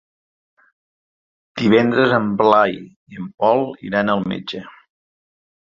Divendres en Blai i en Pol iran al metge.